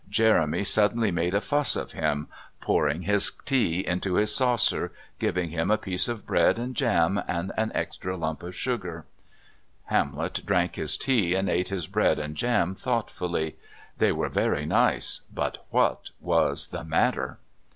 Jeremy suddenly made a fuss of him, pouring his tea into his saucer, giving him a piece of bread and jam and an extra lump of sugar. Hamlet drank his tea and ate his bread and jam thoughtfully. They were very nice, but what was the matter?